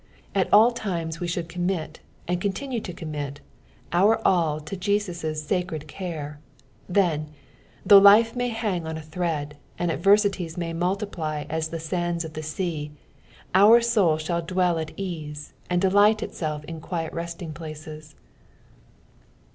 At all times we should commit and continue to commit our all to Jesus' sacred care, then, though lifo may hang on a thread, and adversities may multiply as the sands of the sea, our soul shall dwell at esse, and delight itself in quiet resting places.